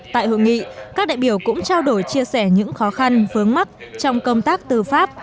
tại hội nghị các đại biểu cũng trao đổi chia sẻ những khó khăn vướng mắt trong công tác tư pháp